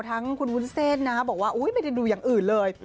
ทั้งคุณวุ้นเส้นนะบอกว่าไม่ได้ดูอย่างอื่นเลย